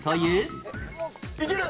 いける？